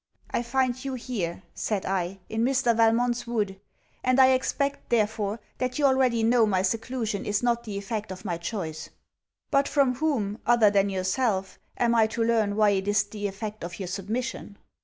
'I find you here,' said I, 'in Mr. Valmont's wood; and I expect, therefore, that you already know my seclusion is not the effect of my choice.' 'But from whom, other than yourself, am I to learn why it is the effect of your submission?'